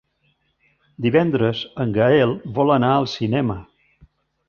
Divendres en Gaël vol anar al cinema.